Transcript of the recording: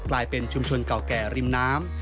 กลายเป็นชุมชนเก่าแก่ริมน้ำ